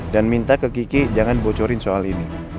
dan minta ke kiki jangan bocorin soal ini